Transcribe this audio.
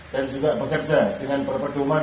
dan juga bekerja dengan perbedaan